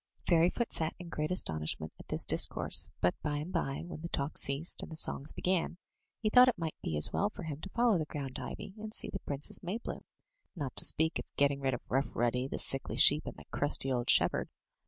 Fairyfoot sat in great astonishment at this discourse, but by and by, when the talk ceased and the songs began, he thought it might be as well for him to follow the ground ivy, and see the Princess Maybloom, not to speak of getting rid of Rough Ruddy, the sickly sheep, and the crusty old shepherd.